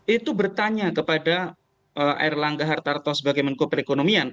itu bertanya kepada r langga hartarto sebagai menko perekonomian